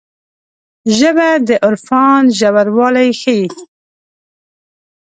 ژبه د عرفان ژوروالی ښيي